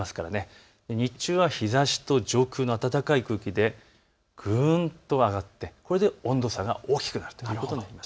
日中は日ざしと上空の暖かい空気でぐんと上がってこれで温度差が大きくなる。